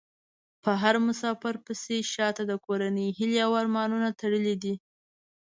په هر مسافر پسې شا ته د کورنۍ هيلې او ارمانونه تړلي دي .